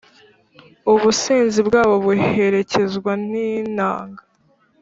Ubusinzi bwabo buherekezwa n’inanga,